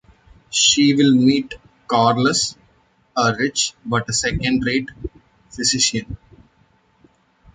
She will meet Carlos, a rich but second-rate physician.